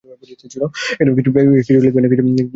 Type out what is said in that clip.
কিছু লিখবেন না।